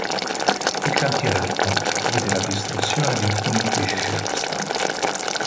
Il cantiere del ponte vide la distruzione di alcuni edifici circostanti.